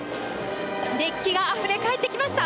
熱気があふれ返ってきました。